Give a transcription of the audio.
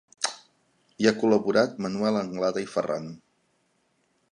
Hi ha col·laborat Manuel Anglada i Ferran.